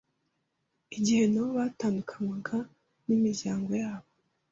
igihe nabo batandukanywaga n’imiryango yabo